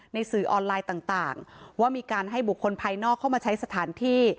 สื่อออนไลน์ต่างว่ามีการให้บุคคลภายนอกเข้ามาใช้สถานที่